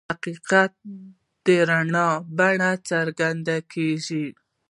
حقیقت د رڼا په بڼه څرګندېږي.